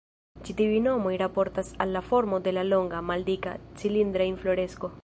Ĉi tiuj nomoj raportas al la formo de la longa, maldika, cilindra infloresko.